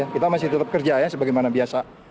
kita masih tetap kerja ya sebagaimana biasa